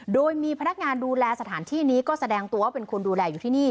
โดยมีพนักงานดูแลสถานที่นี้ก็แสดงตัวว่าเป็นคนดูแลอยู่ที่นี่